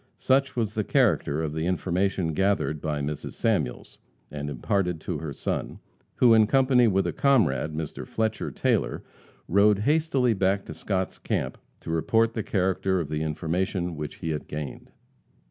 Such was the character of the information gathered by Mrs. Samuels, and imparted to her son, who, in company with a comrade, Mr. Fletcher Taylor, rode hastily back to Scott's camp to report the character of the information which he had gained.